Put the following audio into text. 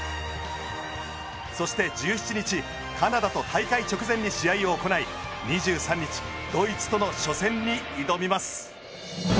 そして１７日カナダと大会直前に試合を行い２３日ドイツとの初戦に挑みます。